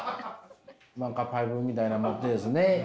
何かパイプみたいなの持ってですね。